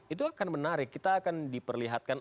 itu akan menarik kita akan diperlihatkan